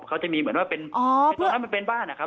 เขาจะมีเหมือนว่าเป็นบ้านนะครับ